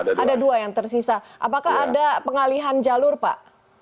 ada dua yang tersisa apakah ada pengalihan jalur pak